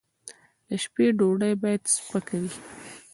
د شپې ډوډۍ باید سپکه وي